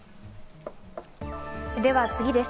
では、次です。